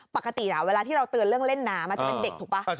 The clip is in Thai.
ปกติเวลาที่เราเตือนเรื่องเล่นน้ำอาจจะเป็นเด็กถูกป่ะ